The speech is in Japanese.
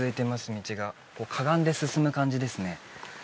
道がかがんで進む感じですね